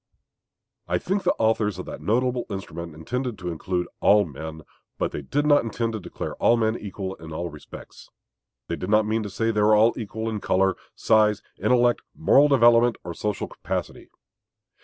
I think the authors of that notable instrument intended to include all men; but they did not intend to declare all men equal in all respects. They did not mean to say all were equal in color, size, intellect, moral development, or social capacity.